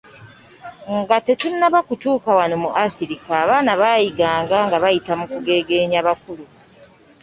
Nga tetunnaba kutuuka wano mu Afirika abaana baayiganga nga bayita mu kugegeenya bakulu